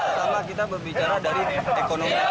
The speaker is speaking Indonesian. pertama kita berbicara dari ekonomi